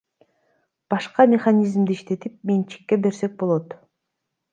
Башка механизмди иштетип, менчикке берсек болот.